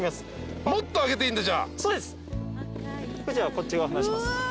こっち側離します。